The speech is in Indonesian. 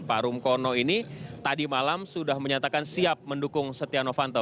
pak rumkono ini tadi malam sudah menyatakan siap mendukung setia novanto